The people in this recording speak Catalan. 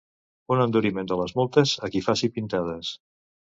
un enduriment de les multes a qui faci pintades